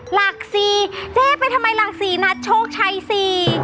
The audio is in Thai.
หลัก๔เจ๊ไปทำไมหลัก๔นะโชคชัยสิ